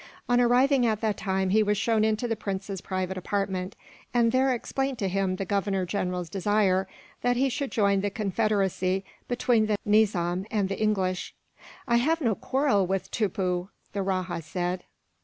On arriving at that time, he was shown into the prince's private apartment, and there explained to him the Governor General's desire that he should join the confederacy between the Nizam and the English. "I have no quarrel with Tippoo," the rajah said.